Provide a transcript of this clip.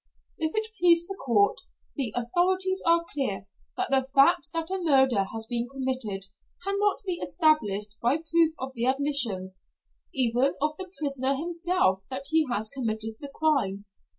If it please the Court, the authorities are clear that the fact that a murder has been committed cannot be established by proof of the admissions, even of the prisoner himself that he has committed the crime.